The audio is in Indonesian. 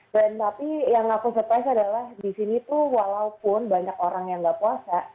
dan tapi yang aku surprise adalah di sini tuh walaupun banyak orang yang nggak puasa